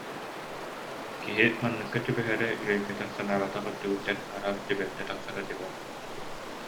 Киһи манныкка түбэһэрэ, үөйбэтэх-санаабатах өттүгүттэн араас түбэлтэ тахсара дөбөҥ эбит